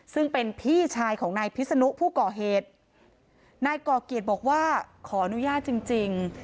ซึ่งเป็นพี่ชายของนายพิษนุผู้ก่อเหตุนายก่อเกียรติบอกว่าขออนุญาตจริงจริง